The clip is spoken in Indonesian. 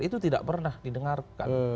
itu tidak pernah didengarkan